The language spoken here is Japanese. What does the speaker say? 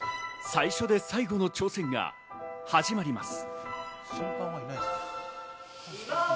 最初で最後の挑戦が始まります。